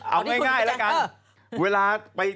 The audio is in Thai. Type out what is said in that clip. เอาง่ายแล้วกันเวลาไป